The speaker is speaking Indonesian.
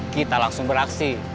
kita langsung beraksi